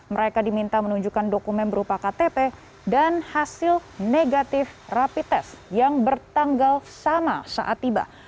mereka diminta menunjukkan dokumen berupa ktp dan hasil negatif rapid test yang bertanggal sama saat tiba